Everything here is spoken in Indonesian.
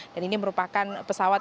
dan ini merupakan pesawat